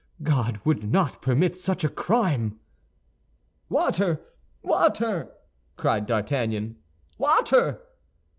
God would not permit such a crime!" "Water, water!" cried D'Artagnan. "Water!"